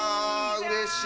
うれしい。